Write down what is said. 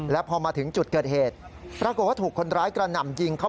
แล้วพอมาถึงจุดเกิดเหตุปรากฏว่าถูกคนร้ายกระหน่ำยิงเขา